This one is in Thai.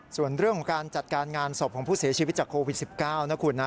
ส่วนเรื่องของการจัดการงานศพของผู้เสียชีวิตจากโควิด๑๙นะคุณนะ